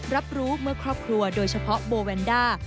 รับรู้เมื่อครอบครัวโดยเฉพาะโบแวนด้า